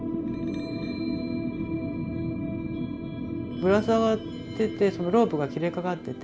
ぶら下がっててロープが切れかかってて。